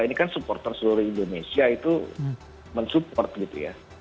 ini kan supporter seluruh indonesia itu mensupport gitu ya